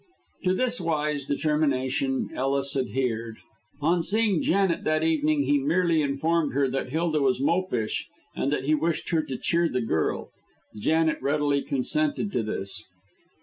To this wise determination Ellis adhered. On seeing Janet that evening, he merely informed her that Hilda was mopish, and that he wished her to cheer the girl. Janet readily consented to this.